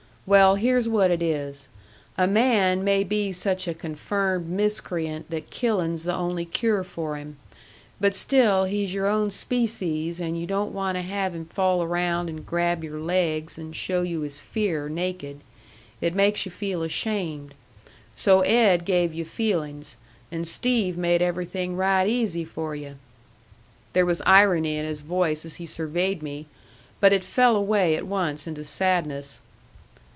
Well, here's what it is: a man may be such a confirmed miscreant that killing's the only cure for him; but still he's your own species, and you don't want to have him fall around and grab your laigs and show you his fear naked. It makes you feel ashamed. So Ed gave you feelings, and Steve made everything right easy for you!" There was irony in his voice as he surveyed me, but it fell away at once into sadness.